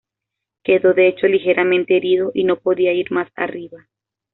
Quedó de hecho ligeramente herido y no podía ir más arriba.